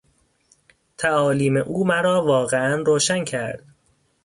تعالیم او مرا واقعا روشن کرد.